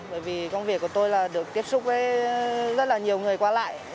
bởi vì công việc của tôi là được tiếp xúc với rất là nhiều người qua lại